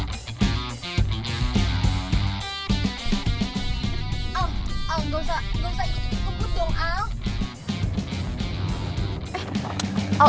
gausah ikut ikut kebut dong al